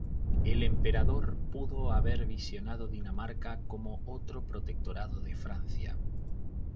El emperador pudo haber visionado Dinamarca como otro protectorado de Francia.